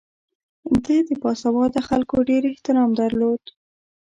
ده د باسواده خلکو ډېر احترام درلود.